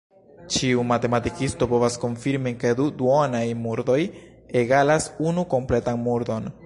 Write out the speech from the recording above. Ĉiu matematikisto povas konfirmi ke du duonaj murdoj egalas unu kompletan murdon.